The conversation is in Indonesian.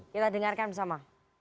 kita dengarkan bersama